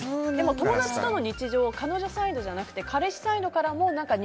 友達との日常を彼女サイドじゃなくて彼氏サイドからも。